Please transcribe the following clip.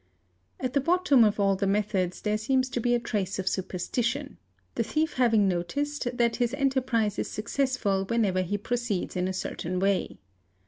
At the bottom of all the methods there seems to de a trace of superstition, the thief having noticed that his enterprise is accessful whenever he proceeds in a certain way.